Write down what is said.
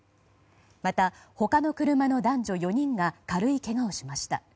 また、他の車の男女４人が軽いけがをしました。